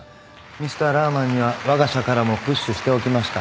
ミスターラーマンにはわが社からもプッシュしておきました。